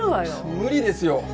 無理ですよ。